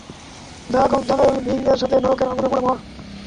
যা, এখন General Ming এর সাথে নরকের আগুনে পুড়ে মর!